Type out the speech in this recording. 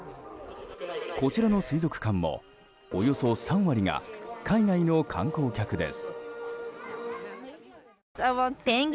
こちらの水族館もおよそ３割が海外の観光客です。